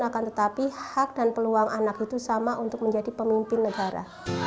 akan tetapi hak dan peluang anak itu sama untuk menjadi pemimpin negara